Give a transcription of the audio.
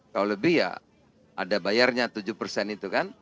kalau lebih ya ada bayarnya tujuh persen itu kan